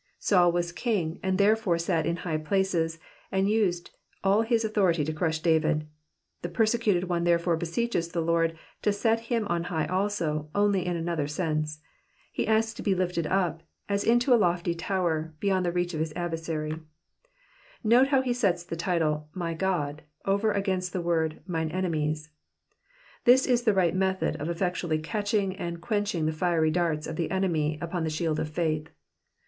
"*^ Saul was a king, and therefore sat in high places, and used all his authority to crush David ; the persecuted one therefore beseeches the Lord to set him on high also, only in another sense. He asks to be lifted up, as into a lofty tower, beyond the reach of his adversary. Note how he sets the title Jfy God,^^ over against the word mine enemies.''^ This is the right method of effectually catching and quenching the fiery darts of the enemy upon the shield of faith.